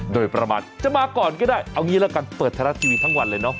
โดยประมาณจะมาก่อนก็ได้เอางี้ละกันเปิดไทยรัฐทีวีทั้งวันเลยเนาะ